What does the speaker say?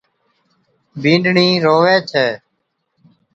بِينڏڙِي رووي ڇَي